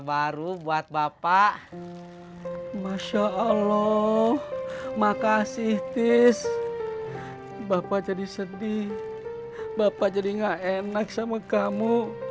baru buat bapak masya allah makasih tis bapak jadi sedih bapak jadi enggak enak sama kamu